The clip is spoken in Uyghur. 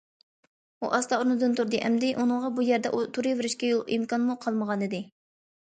ئۇ ئاستا ئورنىدىن تۇردى، ئەمدى ئۇنىڭغا بۇ يەردە تۇرۇۋېرىشكە يول- ئىمكانمۇ قالمىغانىدى.